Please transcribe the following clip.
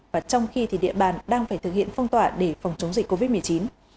và trong khi thì địa bàn đang phải thực hiện phong tỏa để phòng chống dịch